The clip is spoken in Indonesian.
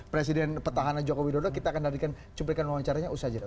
presiden petahana joko widodo kita akan darikan cumplikan wawancaranya usaha jadwal